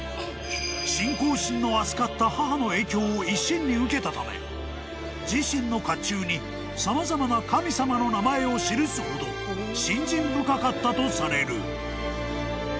［の影響を一身に受けたため自身の甲冑に様々な神様の名前を記すほど信心深かったとされる］